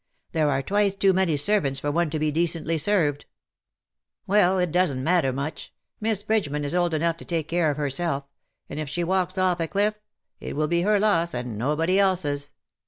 There are twice too many ser vants for one to be decently served. Well, it doesn^t matter much. Miss Bridgeman is old enough to take care of herself — and if she walks off a cliff — it will be her loss and nobody else's.